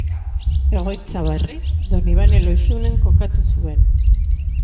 Egoitza, berriz, Donibane Lohizunen kokatu zuen.